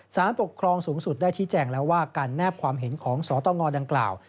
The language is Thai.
สารปกครองสูงสุดได้ชี้แจงแล้วว่าการแนบความเห็นของสตงดังกล่าว